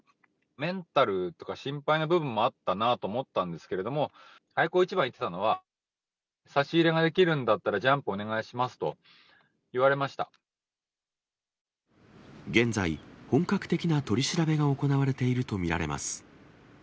メンタルとか心配な部分もあったなと思ったんですけれども、開口一番言っていたのは、差し入れができるんだったら、ジャンプ現在、本格的な取り調べが行われていると見られます。